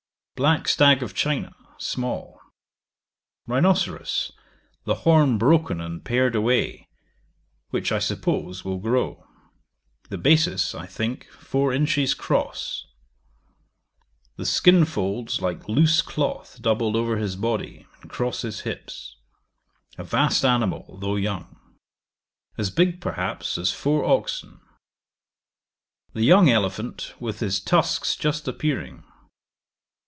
Black stag of China, small. Rhinoceros, the horn broken and pared away, which, I suppose, will grow; the basis, I think, four inches 'cross; the skin folds like loose cloth doubled over his body, and cross his hips; a vast animal, though young; as big, perhaps, as four oxen. The young elephant, with his tusks just appearing.